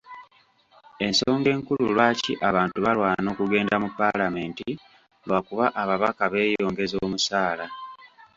Ensonga enkulu lwaki abantu balwana okugenda mu Paalamenti lwakuba ababaka beeyongeza omusaala.